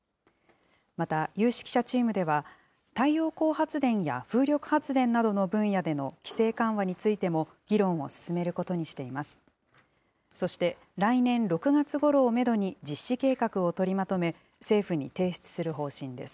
また有識者チームでは、太陽光発電や風力発電などの分野での規制緩和についても、議論を進めることにしています。